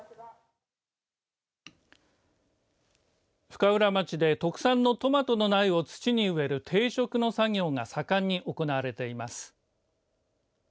深浦町で特産のトマトの苗を土に植える定植の作業が盛んに行われています。